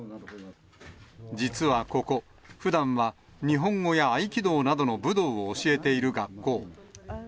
実はここ、ふだんは日本語や合気道などの武道を教えている学校。